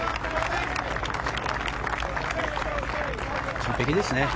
完璧ですね。